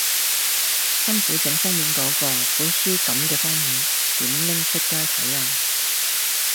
辛苦整封面嗰個，本書感嘅封面，點拎出街睇呀